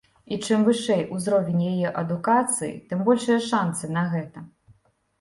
І чым вышэй узровень яе адукацыі, тым большыя шанцы на гэта.